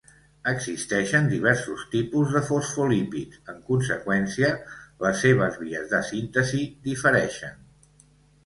Existeixen diversos tipus de fosfolípids; en conseqüència, les seves vies de síntesis difereixen.